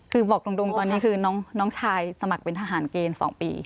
คือบอกตรงตอนนี้คือน้องชายสมัครเป็นทหารเกณฑ์๒ปี